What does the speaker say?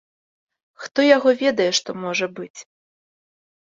Хто яго ведае, што можа быць.